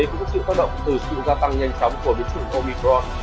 cũng có sự phát động từ sự gia tăng nhanh chóng của biến chủng goldicron